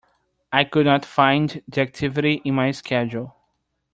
I could not find the activity in my Schedule.